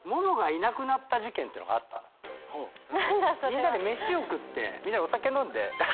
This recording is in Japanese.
みんなで飯を食ってみんなでお酒飲んでっつったら。